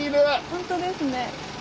本当ですね。